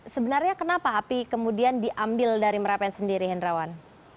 sebenarnya kenapa api kemudian diambil dari merapen sendiri hendrawan